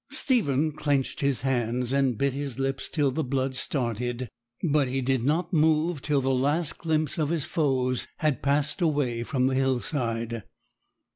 Stephen clenched his hands, and bit his lips till the blood started, but he did not move till the last glimpse of his foes had passed away from the hillside.